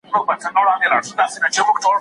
مسلمان تر غير مسلمان څنګه دی؟